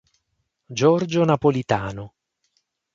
Giorgio Napolitano.